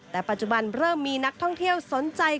แต่ปัจจุบันเริ่มมีนักท่องเที่ยวสนใจ